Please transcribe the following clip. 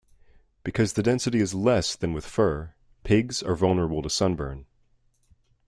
Because the density is less than with fur, pigs are vulnerable to sunburn.